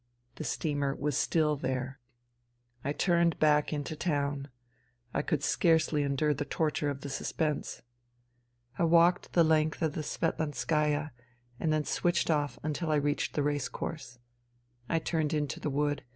The steamer was still there. I 256 FUTILITY turned back into town. I could scarcely endure the torture of the suspense. I walked the length of the Svetlanskaya, and then switched off until I reached the race course. I turned into the wood.